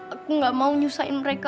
aku gak mau nyusahin mereka